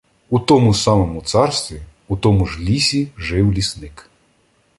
У тому самому царстві, у тому ж лісі жив лісник.